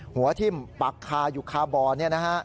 หัวทิ่มปักคาอยู่คาบ่อนี่นะฮะ